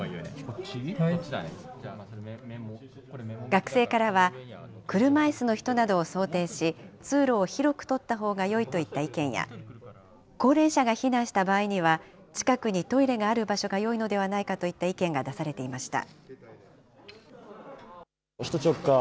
学生からは、車いすの人などを想定し、通路を広く取ったほうがよいといった意見や、高齢者が避難した場合には、近くにトイレがある場所がよいのではないかといった意見が出されていました。